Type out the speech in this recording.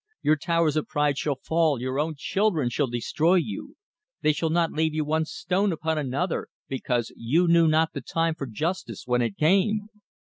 Your towers of pride shall fall, your own children shall destroy you; they shall not leave you one stone upon another, because you knew not the time for justice when it came."